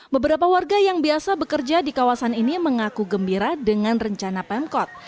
beberapa warga yang biasa bekerja di kawasan ini mengaku gembira dengan rencana pemkot